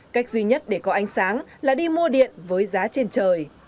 cách duy nhất để có ánh sáng là đi mua điện với giá trên trời